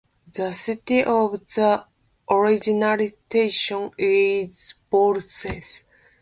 The seat of the organisation is Brussels.